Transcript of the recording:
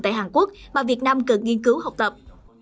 tại hàn quốc mà việt nam cần nghiên cứu học tập